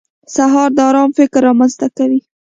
سهار د ارام فکر رامنځته کوي.